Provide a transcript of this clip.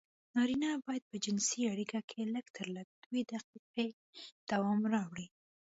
نارينه بايد په جنسي اړيکه کې لږترلږه دوې دقيقې دوام راوړي.